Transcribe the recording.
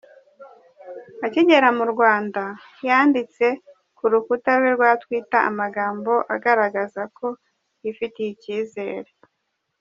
Akigera mu Rwanda, yanditse ku rukuta rwe rwa Twitter amagambo agaragaza ko yifitiye icyizere.